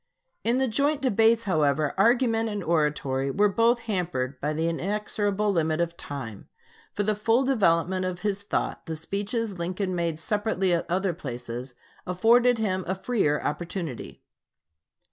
In the joint debates, however, argument and oratory were both hampered by the inexorable limit of time. For the full development of his thought, the speeches Lincoln made separately at other places afforded him a freer opportunity.